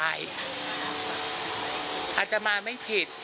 อาจจะมาไม่ผิด